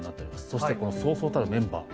そしてこのそうそうたるメンバー。